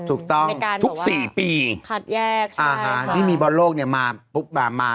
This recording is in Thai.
ถูกต้องคัดแยกใช่ไหมคะทุก๔ปีที่มีบอลโลกมาปุ๊บมามาทุกครั้ง